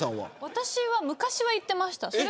私は、昔は行ってました。